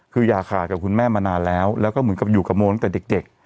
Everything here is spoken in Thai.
คืออย่าขาดกับคุณแม่มานานแล้วแล้วก็เหมือนกับอยู่กับโมตั้งแต่เด็ก